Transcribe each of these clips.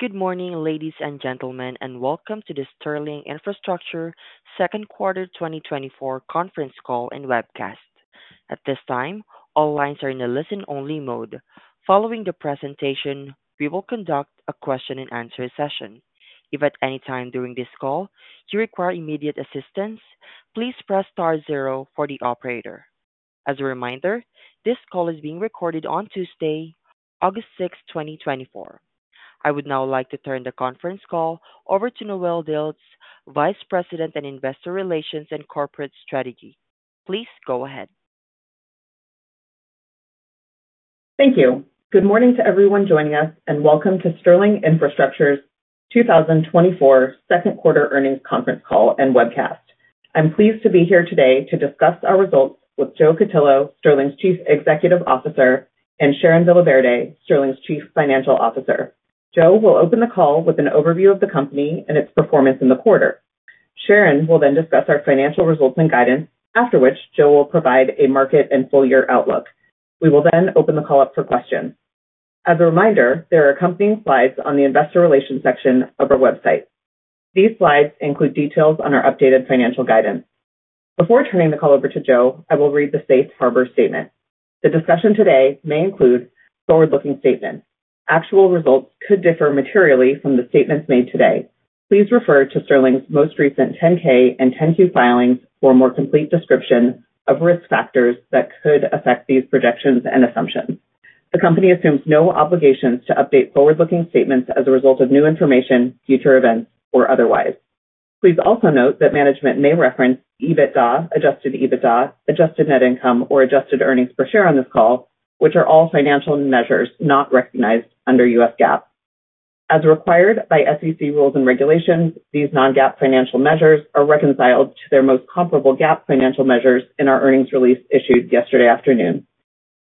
Good morning, ladies and gentlemen, and welcome to the Sterling Infrastructure second quarter 2024 conference call and webcast. At this time, all lines are in a listen-only mode. Following the presentation, we will conduct a question-and-answer session. If at any time during this call you require immediate assistance, please press star zero for the operator. As a reminder, this call is being recorded on Tuesday, August 6, 2024. I would now like to turn the conference call over to Noelle Dilts, Vice President in Investor Relations and Corporate Strategy. Please go ahead. Thank you. Good morning to everyone joining us, and welcome to Sterling Infrastructure's 2024 second quarter earnings conference call and webcast. I'm pleased to be here today to discuss our results with Joe Cutillo, Sterling's Chief Executive Officer, and Sharon Villaverde, Sterling's Chief Financial Officer. Joe will open the call with an overview of the company and its performance in the quarter. Sharon will then discuss our financial results and guidance, after which Joe will provide a market and full year outlook. We will then open the call up for questions. As a reminder, there are accompanying slides on the investor relations section of our website. These slides include details on our updated financial guidance. Before turning the call over to Joe, I will read the safe harbor statement. The discussion today may include forward-looking statements. Actual results could differ materially from the statements made today. Please refer to Sterling's most recent 10-K and 10-Q filings for a more complete description of risk factors that could affect these projections and assumptions. The company assumes no obligations to update forward-looking statements as a result of new information, future events, or otherwise. Please also note that management may reference EBITDA, adjusted EBITDA, adjusted net income, or adjusted earnings per share on this call, which are all financial measures not recognized under U.S. GAAP. As required by SEC rules and regulations, these non-GAAP financial measures are reconciled to their most comparable GAAP financial measures in our earnings release issued yesterday afternoon.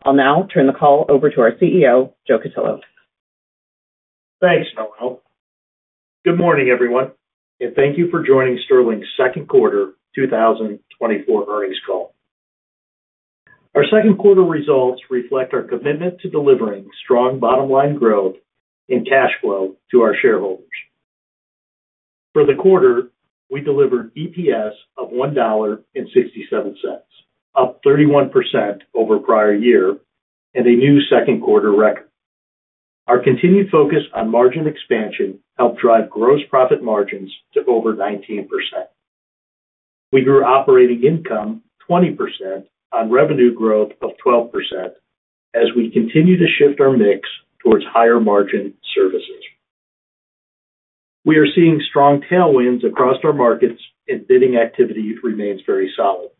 I'll now turn the call over to our CEO, Joe Cutillo. Thanks, Noelle. Good morning, everyone, and thank you for joining Sterling's second quarter 2024 earnings call. Our second quarter results reflect our commitment to delivering strong bottom line growth and cash flow to our shareholders. For the quarter, we delivered EPS of $1.67, up 31% over prior year, and a new second quarter record. Our continued focus on margin expansion helped drive gross profit margins to over 19%. We grew operating income 20% on revenue growth of 12% as we continue to shift our mix towards higher margin services. We are seeing strong tailwinds across our markets and bidding activity remains very solid.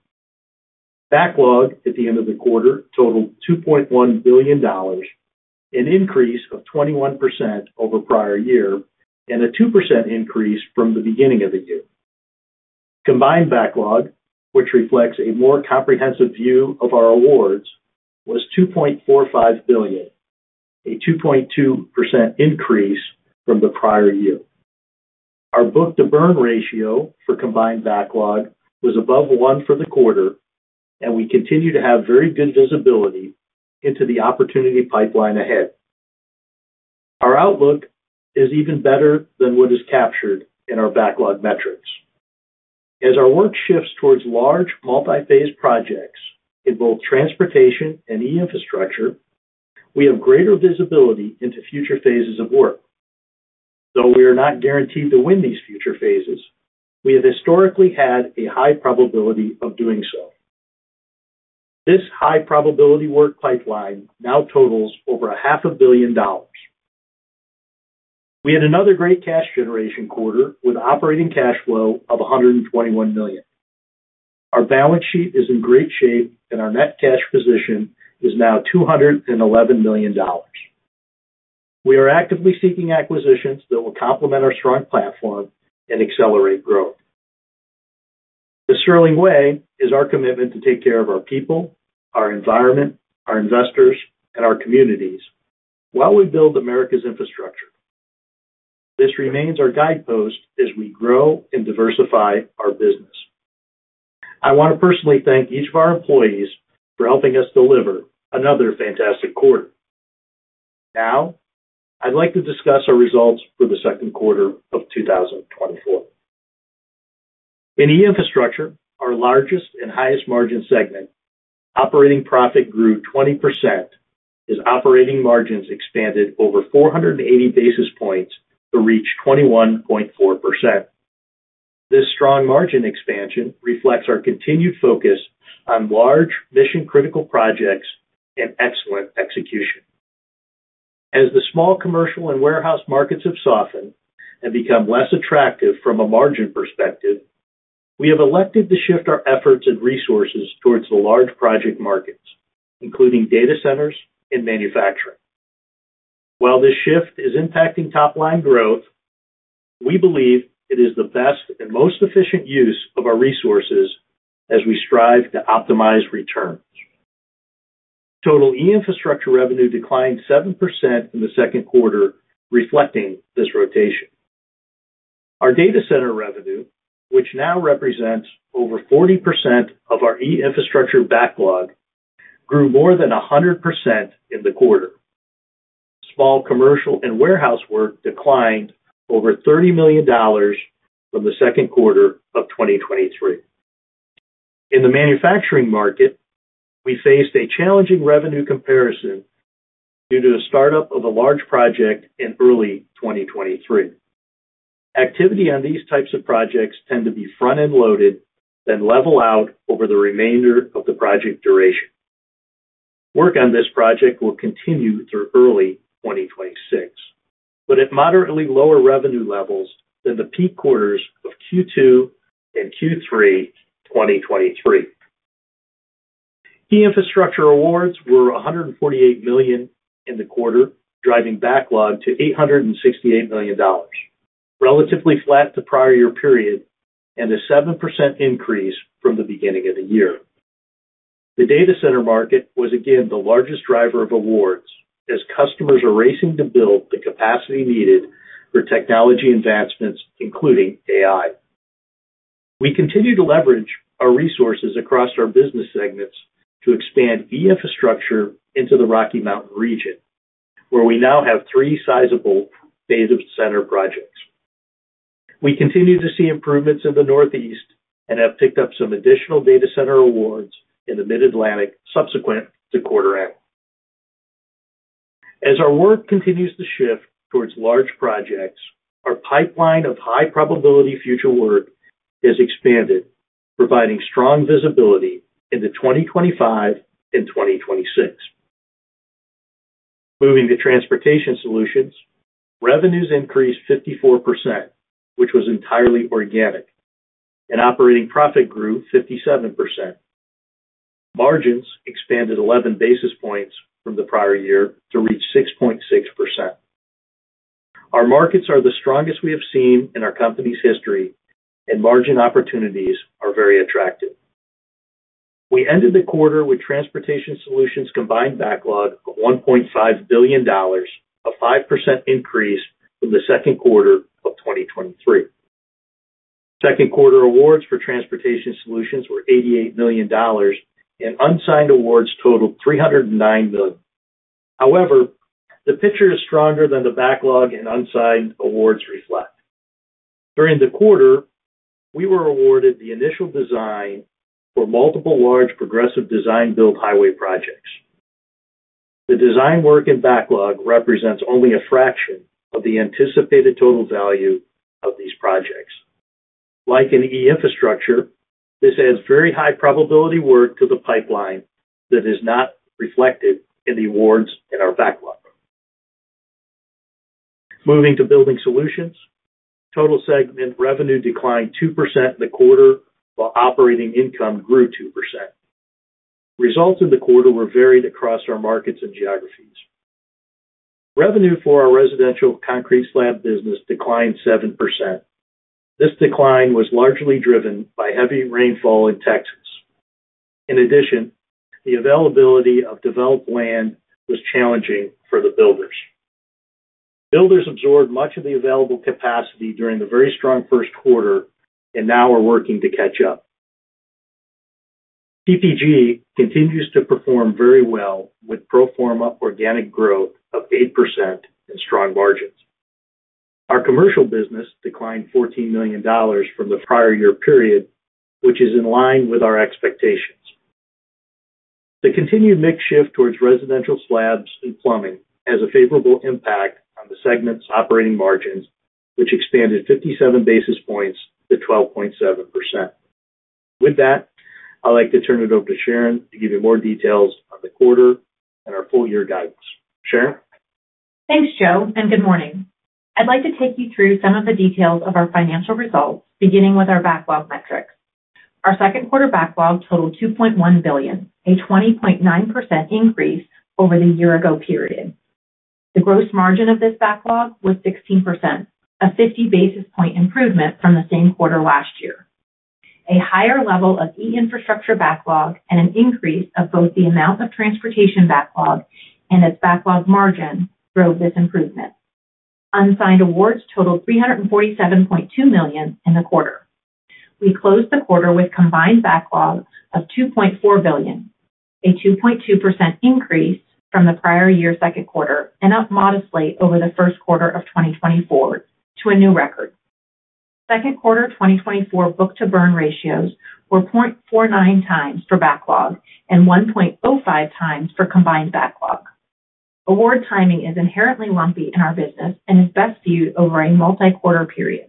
Backlog at the end of the quarter totaled $2.1 billion, an increase of 21% over prior year and a 2% increase from the beginning of the year. Combined Backlog, which reflects a more comprehensive view of our awards, was $2.45 billion, a 2.2% increase from the prior year. Our Book-to-Burn Ratio for Combined Backlog was above one for the quarter, and we continue to have very good visibility into the opportunity pipeline ahead. Our outlook is even better than what is captured in our backlog metrics. As our work shifts towards large, multi-phase projects in both transportation and E-Infrastructure, we have greater visibility into future phases of work. Though we are not guaranteed to win these future phases, we have historically had a high probability of doing so. This high probability work pipeline now totals over $500 million. We had another great cash generation quarter with operating cash flow of $121 million. Our balance sheet is in great shape, and our net cash position is now $211 million. We are actively seeking acquisitions that will complement our strong platform and accelerate growth. The Sterling Way is our commitment to take care of our people, our environment, our investors, and our communities while we build America's infrastructure. This remains our guidepost as we grow and diversify our business. I want to personally thank each of our employees for helping us deliver another fantastic quarter. Now, I'd like to discuss our results for the second quarter of 2024. In E-Infrastructure, our largest and highest margin segment, operating profit grew 20% as operating margins expanded over 480 basis points to reach 21.4%. This strong margin expansion reflects our continued focus on large mission-critical projects and excellent execution. As the small commercial and warehouse markets have softened and become less attractive from a margin perspective, we have elected to shift our efforts and resources towards the large project markets, including data centers and manufacturing. While this shift is impacting top-line growth, we believe it is the best and most efficient use of our resources as we strive to optimize returns. Total E-Infrastructure revenue declined 7% in the second quarter, reflecting this rotation. Our data center revenue, which now represents over 40% of our E-Infrastructure backlog, grew more than 100% in the quarter. Small commercial and warehouse work declined over $30 million from the second quarter of 2023. In the manufacturing market, we faced a challenging revenue comparison due to the startup of a large project in early 2023. Activity on these types of projects tend to be front-end loaded, then level out over the remainder of the project duration. Work on this project will continue through early 2026, but at moderately lower revenue levels than the peak quarters of Q2 and Q3, 2023. E-Infrastructure awards were $148 million in the quarter, driving backlog to $868 million, relatively flat to prior year period, and a 7% increase from the beginning of the year. The data center market was again, the largest driver of awards, as customers are racing to build the capacity needed for technology advancements, including AI. We continue to leverage our resources across our business segments to expand E-Infrastructure into the Rocky Mountain region, where we now have three sizable data center projects. We continue to see improvements in the Northeast and have picked up some additional data center awards in the Mid-Atlantic, subsequent to quarter end. As our work continues to shift towards large projects, our pipeline of high-probability future work has expanded, providing strong visibility into 2025 and 2026. Moving to Transportation Solutions. Revenues increased 54%, which was entirely organic, and operating profit grew 57%. Margins expanded 11 basis points from the prior year to reach 6.6%. Our markets are the strongest we have seen in our company's history, and margin opportunities are very attractive. We ended the quarter with Transportation Solutions combined backlog of $1.5 billion, a 5% increase from the second quarter of 2023. Second quarter awards for Transportation Solutions were $88 million, and unsigned awards totaled $309 million. However, the picture is stronger than the backlog and unsigned awards reflect. During the quarter, we were awarded the initial design for multiple large Progressive Design-Build highway projects. The design work and backlog represents only a fraction of the anticipated total value of these projects. Like in E-Infrastructure, this adds very high probability work to the pipeline that is not reflected in the awards in our backlog. Moving to building solutions. Total segment revenue declined 2% in the quarter, while operating income grew 2%. Results in the quarter were varied across our markets and geographies. Revenue for our residential concrete slab business declined 7%. This decline was largely driven by heavy rainfall in Texas. In addition, the availability of developed land was challenging for the builders. Builders absorbed much of the available capacity during the very strong first quarter and now are working to catch up. PPG continues to perform very well, with pro forma organic growth of 8% and strong margins. Our commercial business declined $14 million from the prior year period, which is in line with our expectations. The continued mix shift towards residential slabs and plumbing has a favorable impact on the segment's operating margins, which expanded 57 basis points to 12.7%. With that, I'd like to turn it over to Sharon to give you more details on the quarter and our full year guidance. Sharon? Thanks, Joe, and good morning. I'd like to take you through some of the details of our financial results, beginning with our backlog metrics. Our second quarter backlog totaled $2.1 billion, a 20.9% increase over the year ago period. The gross margin of this backlog was 16%, a 50 basis points improvement from the same quarter last year. A higher level of E-Infrastructure backlog and an increase of both the amount of transportation backlog and its backlog margin drove this improvement. Unsigned awards totaled $347.2 million in the quarter. We closed the quarter with combined backlogs of $2.4 billion, a 2.2% increase from the prior year second quarter, and up modestly over the first quarter of 2024 to a new record. Second quarter 2024 book-to-burn ratios were 0.49x for backlog and 1.05x for combined backlog. Award timing is inherently lumpy in our business and is best viewed over a multi-quarter period.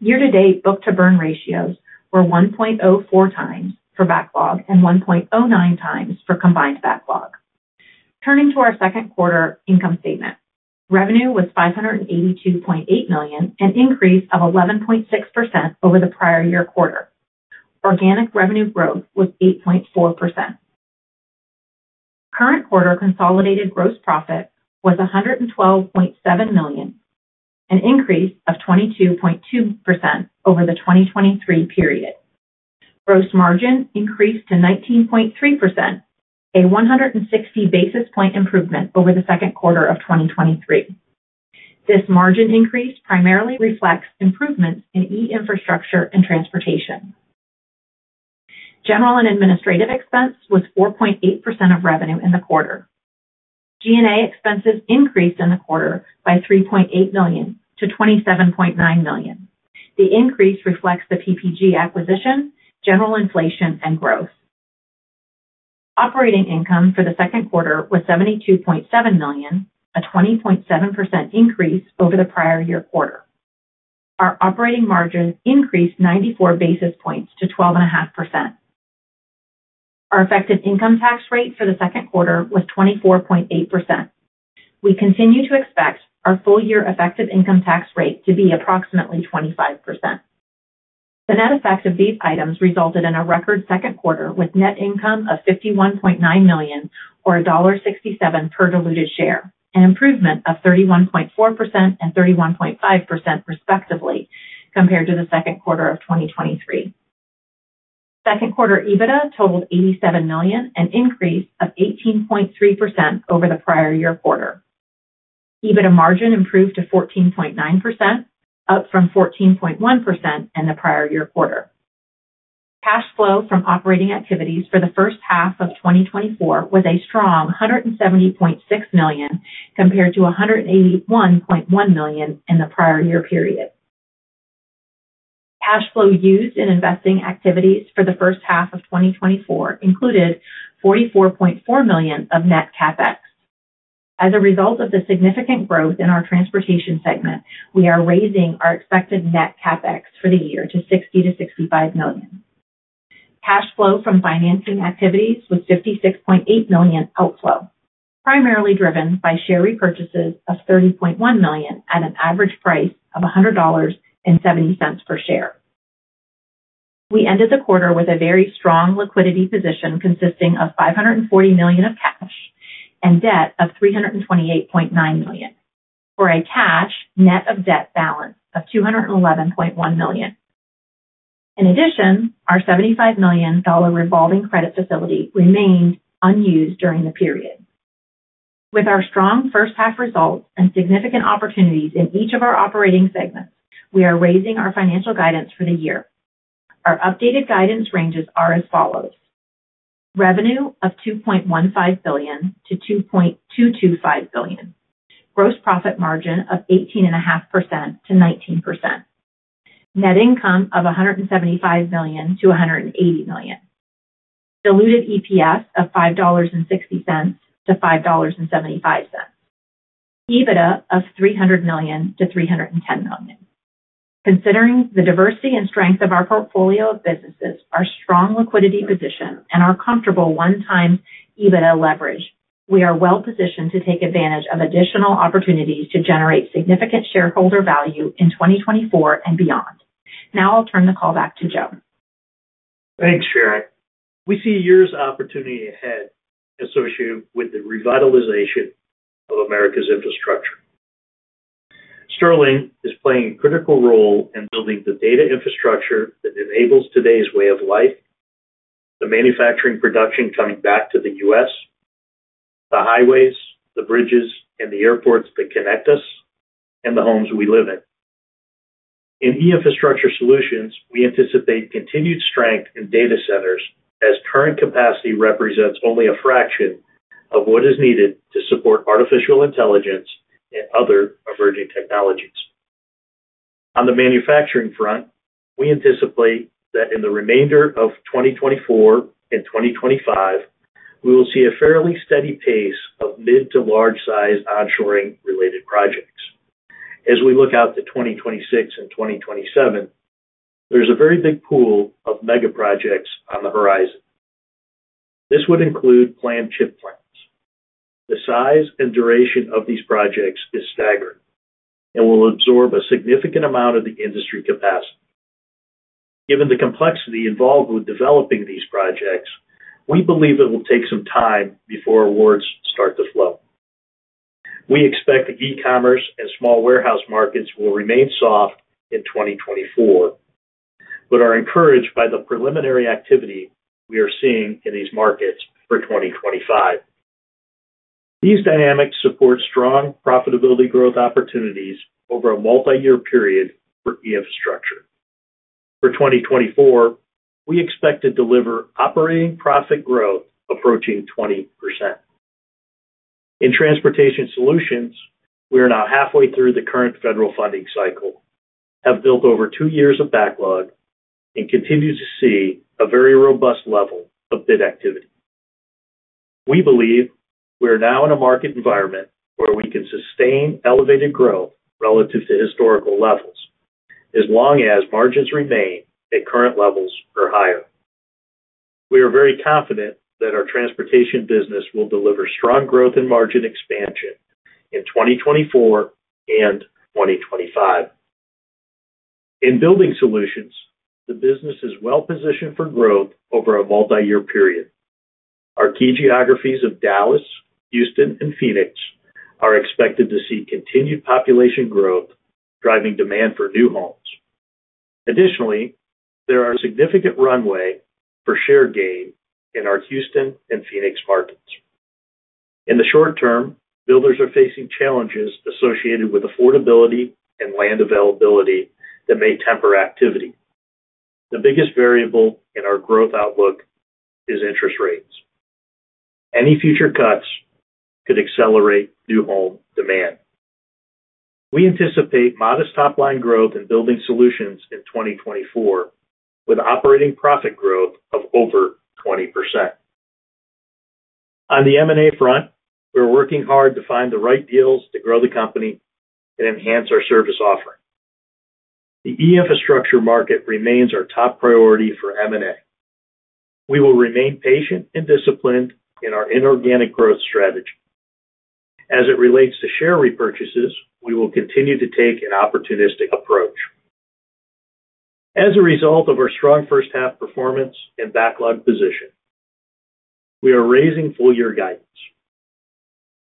Year-to-date, book-to-burn ratios were 1.04x for backlog and 1.09x for combined backlog. Turning to our second quarter income statement. Revenue was $582.8 million, an increase of 11.6% over the prior year quarter. Organic revenue growth was 8.4%. Current quarter consolidated gross profit was $112.7 million, an increase of 22.2% over the 2023 period. Gross margin increased to 19.3%, a 160 basis point improvement over the second quarter of 2023. This margin increase primarily reflects improvements in E-Infrastructure and transportation. General and administrative expense was 4.8% of revenue in the quarter. G&A expenses increased in the quarter by $3.8 million to $27.9 million. The increase reflects the PPG acquisition, general inflation, and growth. Operating income for the second quarter was $72.7 million, a 20.7% increase over the prior year quarter. Our operating margin increased 94 basis points to 12.5%. Our effective income tax rate for the second quarter was 24.8%. We continue to expect our full-year effective income tax rate to be approximately 25%. The net effect of these items resulted in a record second quarter, with net income of $51.9 million, or $1.67 per diluted share, an improvement of 31.4% and 31.5%, respectively, compared to the second quarter of 2023. Second quarter EBITDA totaled $87 million, an increase of 18.3% over the prior year quarter. EBITDA margin improved to 14.9%, up from 14.1% in the prior year quarter. Cash flow from operating activities for the first half of 2024 was a strong $170.6 million, compared to $181.1 million in the prior year period. Cash flow used in investing activities for the first half of 2024 included $44.4 million of net CapEx. As a result of the significant growth in our transportation segment, we are raising our expected net CapEx for the year to $60 million-$65 million. Cash flow from financing activities was $56.8 million outflow, primarily driven by share repurchases of $30.1 million at an average price of $100.70 per share. We ended the quarter with a very strong liquidity position, consisting of $540 million of cash and debt of $328.9 million, for a cash net of debt balance of $211.1 million. In addition, our $75 million revolving credit facility remained unused during the period. With our strong first half results and significant opportunities in each of our operating segments, we are raising our financial guidance for the year. Our updated guidance ranges are as follows: revenue of $2.15 billion-$2.225 billion, gross profit margin of 18.5%-19%, net income of $175 million-$180 million, diluted EPS of $5.60-$5.75, EBITDA of $300 million-$310 million. Considering the diversity and strength of our portfolio of businesses, our strong liquidity position, and our comfortable one-time EBITDA leverage, we are well positioned to take advantage of additional opportunities to generate significant shareholder value in 2024 and beyond. Now I'll turn the call back to Joe. Thanks, Sharon. We see years of opportunity ahead associated with the revitalization of America's infrastructure. Sterling is playing a critical role in building the data infrastructure that enables today's way of life, the manufacturing production coming back to the U.S., the highways, the bridges, and the airports that connect us, and the homes we live in. In E-Infrastructure solutions, we anticipate continued strength in data centers, as current capacity represents only a fraction of what is needed to support artificial intelligence and other emerging technologies. On the manufacturing front, we anticipate that in the remainder of 2024 and 2025, we will see a fairly steady pace of mid to large-size onshoring-related projects. As we look out to 2026 and 2027, there's a very big pool of mega projects on the horizon. This would include planned chip plants. The size and duration of these projects is staggering and will absorb a significant amount of the industry capacity. Given the complexity involved with developing these projects, we believe it will take some time before awards start to flow. We expect e-commerce and small warehouse markets will remain soft in 2024, but are encouraged by the preliminary activity we are seeing in these markets for 2025. These dynamics support strong profitability growth opportunities over a multiyear period for E-Infrastructure. For 2024, we expect to deliver operating profit growth approaching 20%. In Transportation Solutions, we are now halfway through the current federal funding cycle, have built over 2 years of backlog, and continue to see a very robust level of bid activity. We believe we're now in a market environment where we can sustain elevated growth relative to historical levels, as long as margins remain at current levels or higher. We are very confident that our transportation business will deliver strong growth and margin expansion in 2024 and 2025. In building solutions, the business is well positioned for growth over a multiyear period.... Our key geographies of Dallas, Houston, and Phoenix are expected to see continued population growth, driving demand for new homes. Additionally, there are significant runway for share gain in our Houston and Phoenix markets. In the short term, builders are facing challenges associated with affordability and land availability that may temper activity. The biggest variable in our growth outlook is interest rates. Any future cuts could accelerate new home demand. We anticipate modest top-line growth in building solutions in 2024, with operating profit growth of over 20%. On the M&A front, we're working hard to find the right deals to grow the company and enhance our service offering. The E-Infrastructure market remains our top priority for M&A. We will remain patient and disciplined in our inorganic growth strategy. As it relates to share repurchases, we will continue to take an opportunistic approach. As a result of our strong first half performance and backlog position, we are raising full year guidance.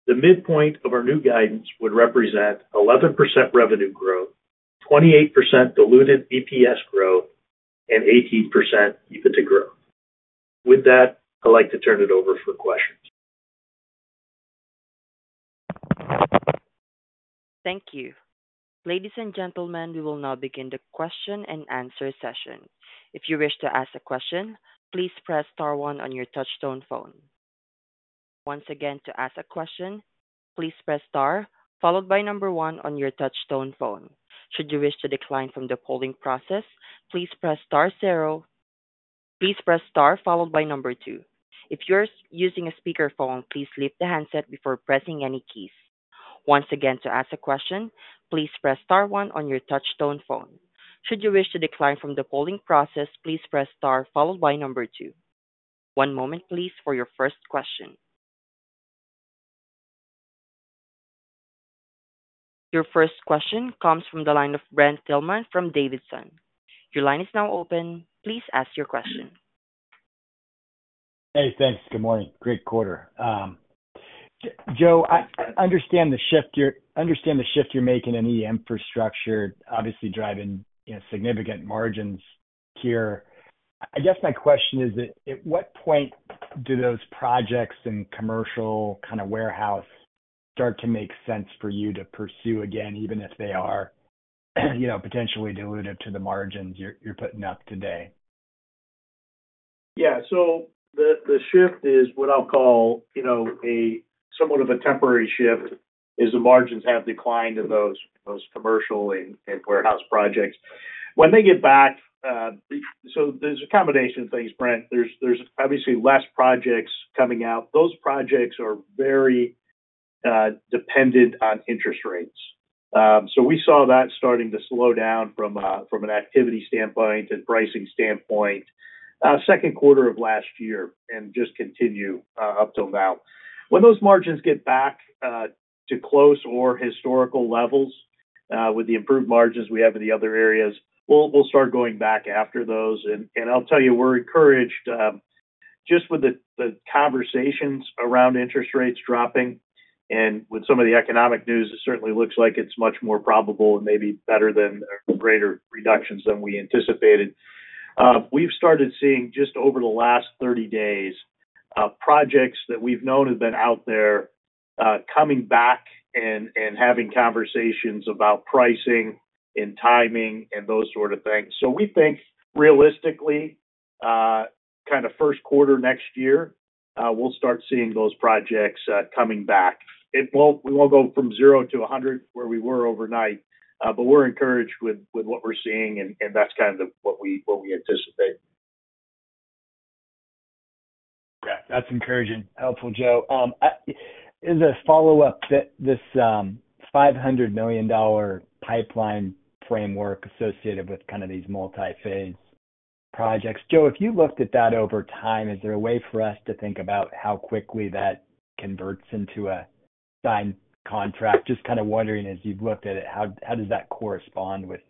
The midpoint of our new guidance would represent 11% revenue growth, 28% diluted EPS growth, and 18% EBITDA growth. With that, I'd like to turn it over for questions. Thank you. Ladies and gentlemen, we will now begin the question-and-answer session. If you wish to ask a question, please press star one on your touchtone phone. Once again, to ask a question, please press star, followed by number one on your touchtone phone. Should you wish to decline from the polling process, please press star zero. Please press star followed by number two. If you're using a speakerphone, please lift the handset before pressing any keys. Once again, to ask a question, please press star one on your touchtone phone. Should you wish to decline from the polling process, please press star followed by number two. One moment, please, for your first question. Your first question comes from the line of Brent Thielman from D.A. Davidson. Your line is now open. Please ask your question. Hey, thanks. Good morning. Great quarter. Joe, I understand the shift you're making in E-Infrastructure, obviously driving, you know, significant margins here. I guess my question is that, at what point do those projects and commercial kind of warehouse start to make sense for you to pursue again, even if they are, you know, potentially dilutive to the margins you're putting up today? Yeah, so the shift is what I'll call, you know, a somewhat of a temporary shift, as the margins have declined in those commercial and warehouse projects. When they get back, so there's a combination of things, Brent. There's obviously less projects coming out. Those projects are very dependent on interest rates. So we saw that starting to slow down from an activity standpoint and pricing standpoint, second quarter of last year, and just continue up till now. When those margins get back to close or historical levels, with the improved margins we have in the other areas, we'll start going back after those. I'll tell you, we're encouraged just with the conversations around interest rates dropping and with some of the economic news. It certainly looks like it's much more probable and maybe better than or greater reductions than we anticipated. We've started seeing, just over the last 30 days, projects that we've known have been out there coming back and having conversations about pricing and timing and those sort of things. So we think realistically, kind of first quarter next year, we'll start seeing those projects coming back. We won't go from 0-100 where we were overnight, but we're encouraged with what we're seeing, and that's kind of what we anticipate. Yeah, that's encouraging. Helpful, Joe. As a follow-up, this $500 million dollar pipeline framework associated with kind of these multi-phase projects. Joe, if you looked at that over time, is there a way for us to think about how quickly that converts into a signed contract? Just kind of wondering, as you've looked at it, how does that correspond with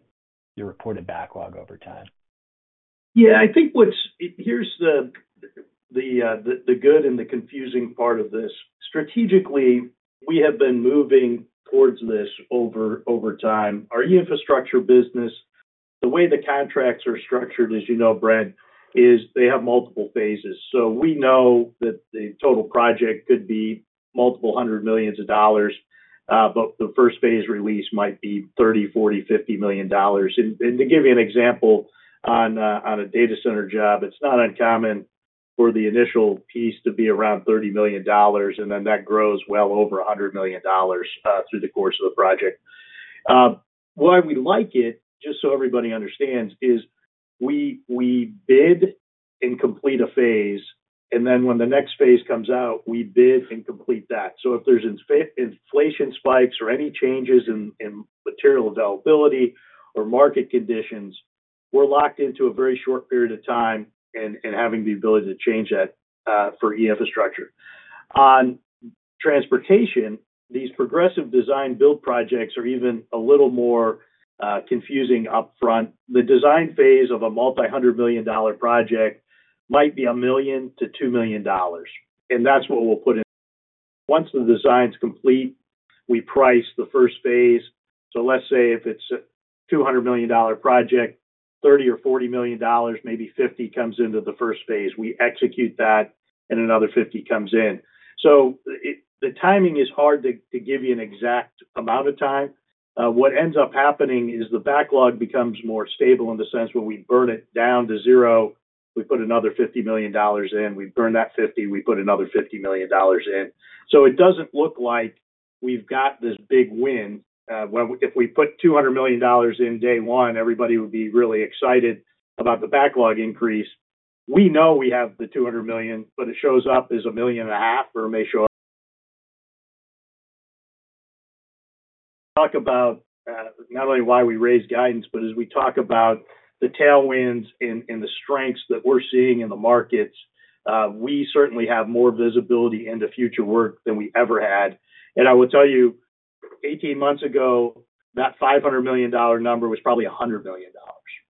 your reported backlog over time? Yeah, I think what's... Here's the good and the confusing part of this. Strategically, we have been moving towards this over time. Our E-Infrastructure business, the way the contracts are structured, as you know, Brent, is they have multiple phases. So we know that the total project could be multiple hundreds of millions of dollars, but the first phase release might be $30 million-$50 million. And to give you an example, on a data center job, it's not uncommon for the initial piece to be around $30 million, and then that grows well over $100 million through the course of the project. Why we like it, just so everybody understands, is we bid and complete a phase, and then when the next phase comes out, we bid and complete that. So if there's inflation spikes or any changes in material availability or market conditions, we're locked into a very short period of time and having the ability to change that for E-Infrastructure. Transportation, these Progressive Design-Build projects are even a little more confusing upfront. The design phase of a multi-hundred million dollar project might be $1 million-$2 million, and that's what we'll put in. Once the design's complete, we price the first phase. So let's say if it's a $200 million project, $30 million or $40 million, maybe $50 million, comes into the first phase. We execute that and another $50 million comes in. So the timing is hard to give you an exact amount of time. What ends up happening is the backlog becomes more stable in the sense, where we burn it down to zero, we put another $50 million in, we burn that $50 million, we put another $50 million in. So it doesn't look like we've got this big win. If we put $200 million in day one, everybody would be really excited about the backlog increase. We know we have the $200 million, but it shows up as $1.5 million, or it may show. Talk about not only why we raised guidance, but as we talk about the tailwinds and the strengths that we're seeing in the markets, we certainly have more visibility into future work than we ever had. I will tell you, 18 months ago, that $500 million number was probably $100 million.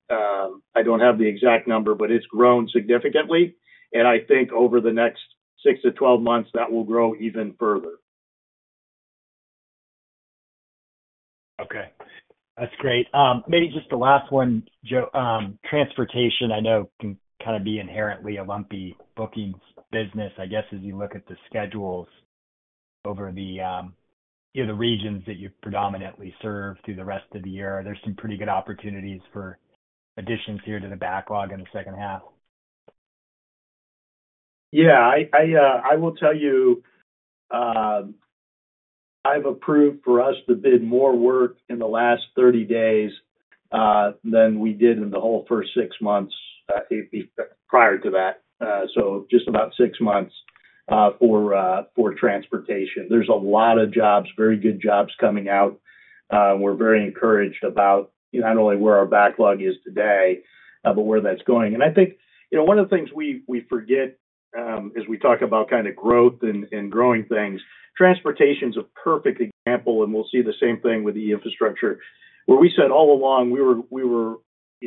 I don't have the exact number, but it's grown significantly, and I think over the next 6-12 months, that will grow even further. Okay, that's great. Maybe just the last one, Joe. Transportation, I know can kind of be inherently a lumpy bookings business. I guess, as you look at the schedules over the, you know, the regions that you predominantly serve through the rest of the year, are there some pretty good opportunities for additions here to the backlog in the second half? Yeah, I will tell you, I've approved for us to bid more work in the last 30 days than we did in the whole first six months prior to that. So just about six months for transportation. There's a lot of jobs, very good jobs coming out. We're very encouraged about not only where our backlog is today, but where that's going. And I think, you know, one of the things we forget as we talk about kind of growth and growing things, transportation is a perfect example, and we'll see the same thing with the infrastructure. Where we said all along, you know,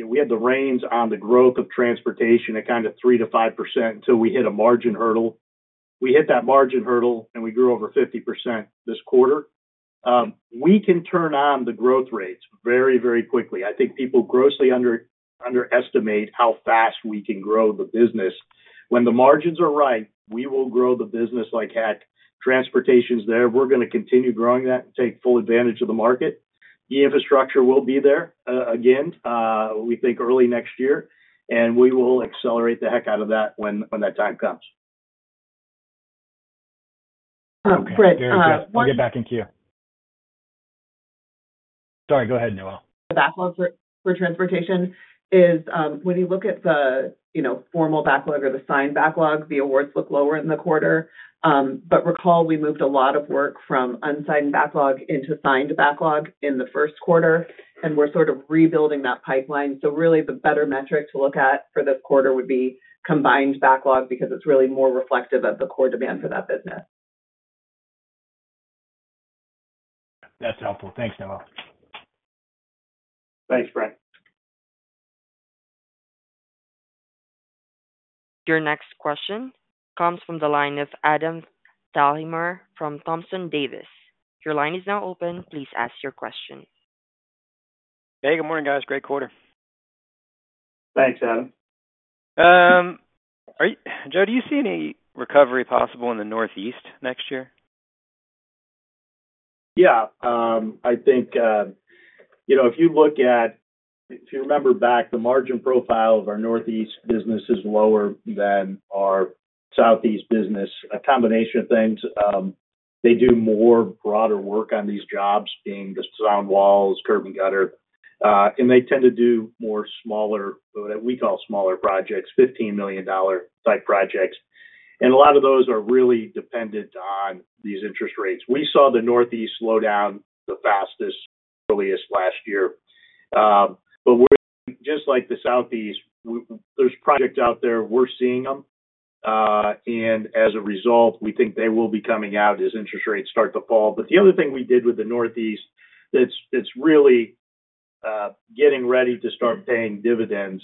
we had the reins on the growth of transportation at kind of 3%-5% until we hit a margin hurdle. We hit that margin hurdle, and we grew over 50% this quarter. We can turn on the growth rates very, very quickly. I think people grossly underestimate how fast we can grow the business. When the margins are right, we will grow the business like heck. Transportation is there. We're going to continue growing that and take full advantage of the market. The infrastructure will be there again, we think early next year, and we will accelerate the heck out of that when that time comes. Brent, Very good. I'll get back into you. Sorry, go ahead, Noelle. The backlog for transportation is, when you look at the, you know, formal backlog or the signed backlog, the awards look lower in the quarter. But recall, we moved a lot of work from unsigned backlog into signed backlog in the first quarter, and we're sort of rebuilding that pipeline. So really, the better metric to look at for this quarter would be combined backlog, because it's really more reflective of the core demand for that business. That's helpful. Thanks, Noelle. Thanks, Brent. Your next question comes from the line of Adam Thalhimer from Thompson Davis. Your line is now open. Please ask your question. Hey, good morning, guys. Great quarter. Thanks, Adam. Joe, do you see any recovery possible in the Northeast next year? Yeah, I think, you know, if you look at... If you remember back, the margin profile of our Northeast business is lower than our Southeast business. A combination of things, they do more broader work on these jobs, being the sound walls, curb and gutter, and they tend to do more smaller, what we call smaller projects, $15 million type projects, and a lot of those are really dependent on these interest rates. We saw the Northeast slow down the fastest, earliest last year. But we're, just like the Southeast, there's projects out there, we're seeing them, and as a result, we think they will be coming out as interest rates start to fall. But the other thing we did with the Northeast that's really getting ready to start paying dividends,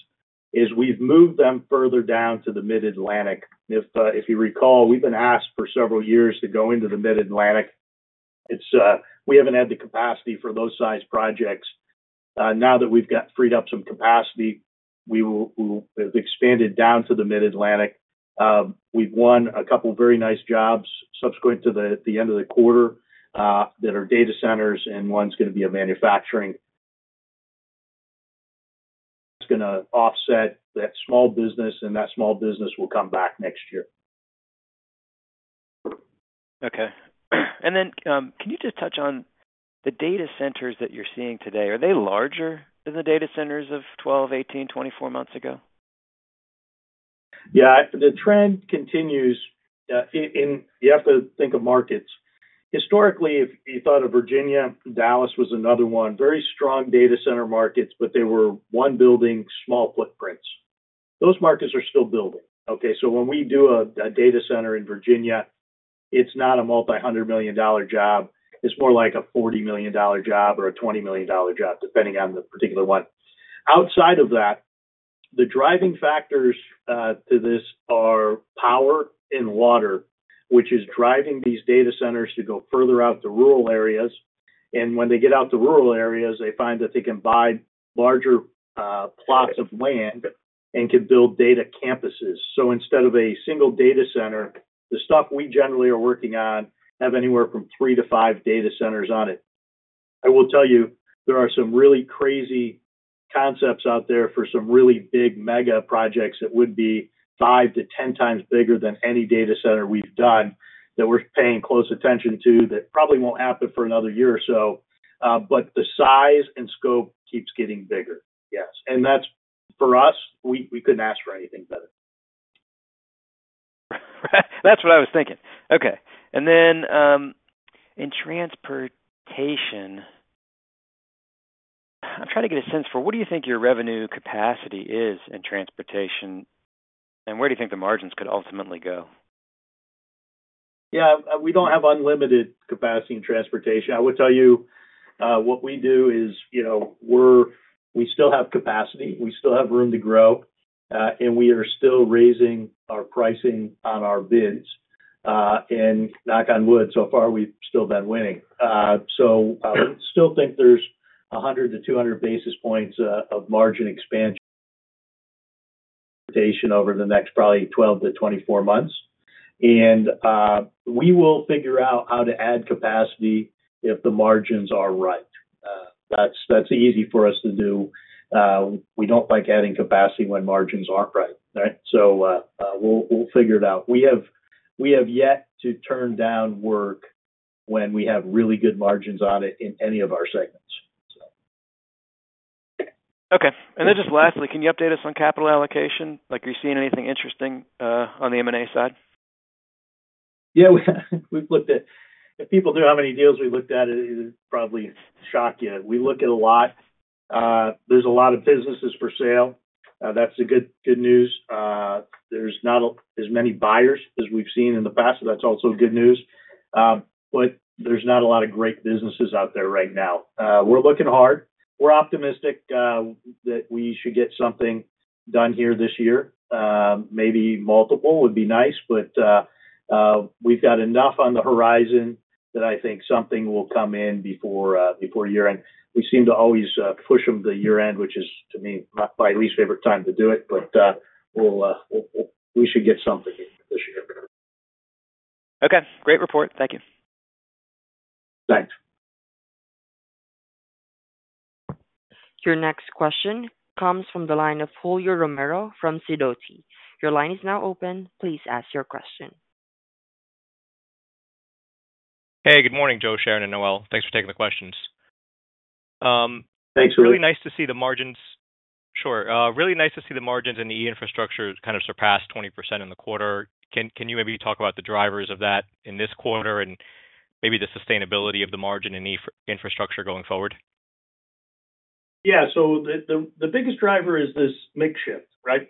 is we've moved them further down to the Mid-Atlantic. If you recall, we've been asked for several years to go into the Mid-Atlantic. It's we haven't had the capacity for those size projects. Now that we've got freed up some capacity, we've expanded down to the Mid-Atlantic. We've won a couple of very nice jobs subsequent to the end of the quarter that are data centers, and one's gonna be a manufacturing. It's gonna offset that small business, and that small business will come back next year. Okay. And then, can you just touch on the data centers that you're seeing today? Are they larger than the data centers of 12, 18, 24 months ago? Yeah, the trend continues. You have to think of markets. Historically, if you thought of Virginia, Dallas was another one, very strong data center markets, but they were one building, small footprints. Those markets are still building, okay? So when we do a data center in Virginia, it's not a multi-hundred million dollar job, it's more like a $40 million job or a $20 million job, depending on the particular one. Outside of that, the driving factors to this are power and water, which is driving these data centers to go further out to rural areas. And when they get out to rural areas, they find that they can buy larger plots of land and can build data campuses. So instead of a single data center, the stuff we generally are working on have anywhere from 3-5 data centers on it. I will tell you, there are some really crazy concepts out there for some really big mega projects that would be 5x-10x bigger than any data center we've done, that we're paying close attention to, that probably won't happen for another year or so, but the size and scope keeps getting bigger. Yes. And that's, for us, we, we couldn't ask for anything better. That's what I was thinking. Okay, and then, in transportation, I'm trying to get a sense for what do you think your revenue capacity is in transportation, and where do you think the margins could ultimately go? Yeah, we don't have unlimited capacity in transportation. I will tell you, what we do is, you know, we're we still have capacity, we still have room to grow, and we are still raising our pricing on our bids. And knock on wood, so far, we've still been winning. So I still think there's 100-200 basis points of margin expansion over the next probably 12-24 months. And we will figure out how to add capacity if the margins are right. That's, that's easy for us to do. We don't like adding capacity when margins aren't right, right? So, we'll, we'll figure it out. We have yet to turn down work when we have really good margins on it in any of our segments, so. Okay. And then just lastly, can you update us on capital allocation? Like, are you seeing anything interesting, on the M&A side? Yeah, we've looked at. If people knew how many deals we looked at, it would probably shock you. We look at a lot. There's a lot of businesses for sale. That's the good, good news. There's not as many buyers as we've seen in the past, so that's also good news. But there's not a lot of great businesses out there right now. We're looking hard. We're optimistic that we should get something done here this year. Maybe multiple would be nice, but we've got enough on the horizon that I think something will come in before year-end. We seem to always push them to year-end, which is, to me, my least favorite time to do it. But we should get something this year. Okay, great report. Thank you. Thanks. Your next question comes from the line of Julio Romero from Sidoti. Your line is now open. Please ask your question. Hey, good morning, Joe, Sharon, and Noelle. Thanks for taking the questions. Thanks, Julio. It's really nice to see the margins. Sure. Really nice to see the margins in the infrastructure kind of surpass 20% in the quarter. Can you maybe talk about the drivers of that in this quarter, and maybe the sustainability of the margin in E-Infrastructure going forward? Yeah. So the biggest driver is this mix shift, right?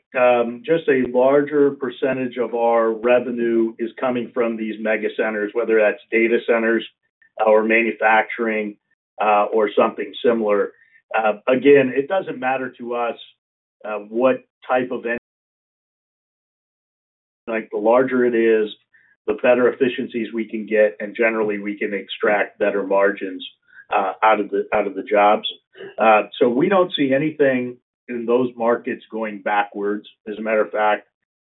Just a larger percentage of our revenue is coming from these mega centers, whether that's data centers or manufacturing, or something similar. Again, it doesn't matter to us what type of end—like, the larger it is, the better efficiencies we can get, and generally, we can extract better margins out of the jobs. So we don't see anything in those markets going backwards. As a matter of fact,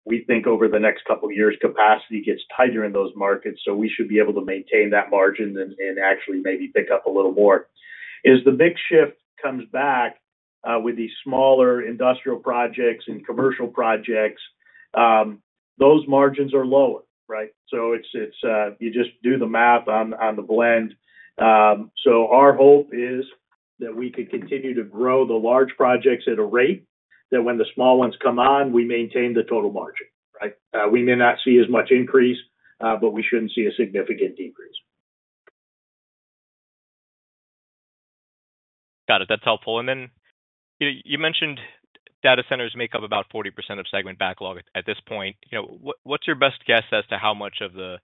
we think over the next couple of years, capacity gets tighter in those markets, so we should be able to maintain that margin and actually maybe pick up a little more. As the mix shift comes back with these smaller industrial projects and commercial projects, those margins are lower, right? So it's you just do the math on the blend. So our hope is that we could continue to grow the large projects at a rate, that when the small ones come on, we maintain the total margin, right? We may not see as much increase, but we shouldn't see a significant decrease. Got it. That's helpful. And then, you mentioned data centers make up about 40% of segment backlog at this point. You know, what's your best guess as to how much of the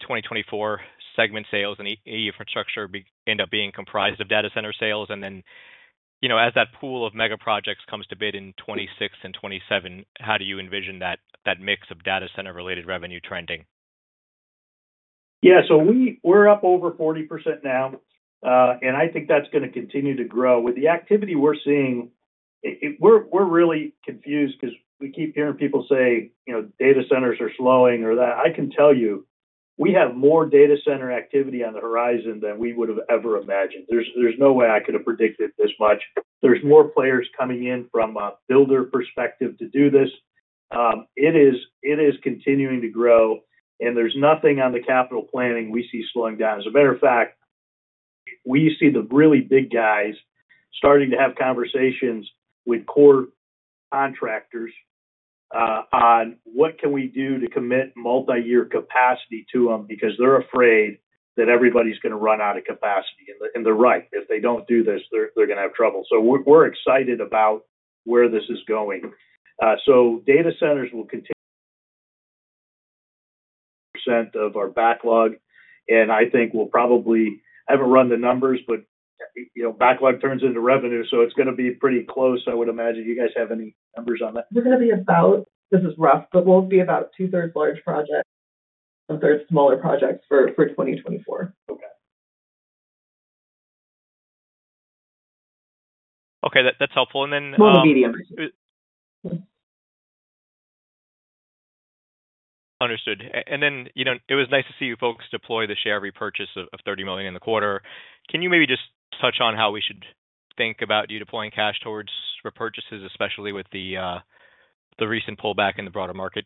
2024 segment sales and E-Infrastructure end up being comprised of data center sales? And then, you know, as that pool of mega projects comes to bid in 2026 and 2027, how do you envision that mix of data center-related revenue trending? Yeah, so we're up over 40% now, and I think that's gonna continue to grow. With the activity we're seeing, we're really confused because we keep hearing people say, you know, data centers are slowing or that. I can tell you, we have more data center activity on the horizon than we would have ever imagined. There's no way I could have predicted this much. There's more players coming in from a builder perspective to do this. It is continuing to grow, and there's nothing on the capital planning we see slowing down. As a matter of fact, we see the really big guys starting to have conversations with core contractors on what can we do to commit multiyear capacity to them? Because they're afraid that everybody's gonna run out of capacity, and they're right. If they don't do this, they're gonna have trouble. So we're excited about where this is going. So data centers will continue percent of our backlog, and I think we'll probably... I haven't run the numbers, but, you know, backlog turns into revenue, so it's gonna be pretty close, I would imagine. You guys have any numbers on that? We're gonna be about, this is rough, but we'll be about 2/3 large projects, 1/3 smaller projects for 2024. Okay. Okay, that's helpful. And then, More medium. Understood. You know, it was nice to see you folks deploy the share repurchase of $30 million in the quarter. Can you maybe just touch on how we should think about you deploying cash towards repurchases, especially with the recent pullback in the broader market?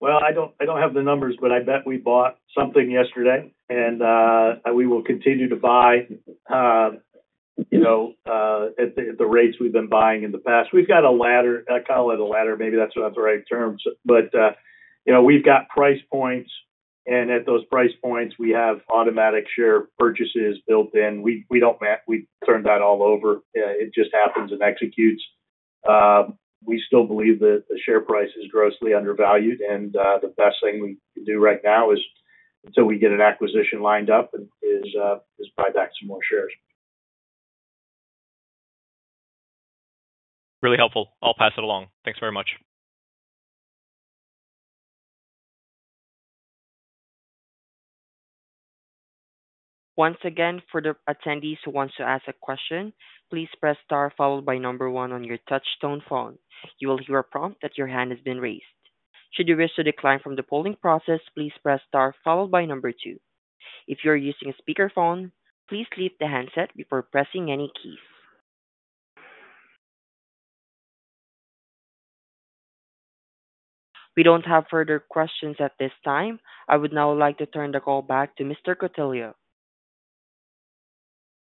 Well, I don't, I don't have the numbers, but I bet we bought something yesterday, and we will continue to buy, you know, at the rates we've been buying in the past. We've got a ladder, call it a ladder, maybe that's the right term. But you know, we've got price points, and at those price points, we have automatic share purchases built in. We, we don't ma-- we turn that all over. It just happens and executes. We still believe that the share price is grossly undervalued, and the best thing we can do right now is, until we get an acquisition lined up, is buy back some more shares. Really helpful. I'll pass it along. Thanks very much. Once again, for the attendees who want to ask a question, please press star followed by number one on your touch tone phone. You will hear a prompt that your hand has been raised. Should you wish to decline from the polling process, please press star followed by number two. If you are using a speakerphone, please leave the handset before pressing any keys. We don't have further questions at this time. I would now like to turn the call back to Mr. Cutillo. Thanks, Eva.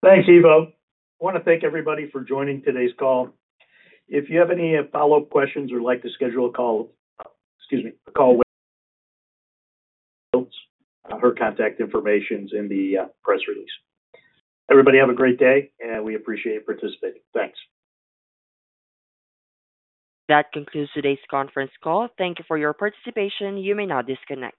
I wanna thank everybody for joining today's call. If you have any follow-up questions or like to schedule a call... Excuse me, a call with her contact information's in the press release. Everybody, have a great day, and we appreciate you participating. Thanks. That concludes today's conference call. Thank you for your participation. You may now disconnect.